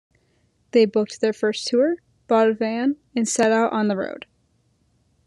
They booked their first tour, bought a van, and set out on the road.